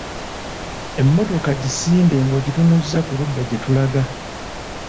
Emmotoka gisimbe ng'ogitunuza ku ludda gye tulaga.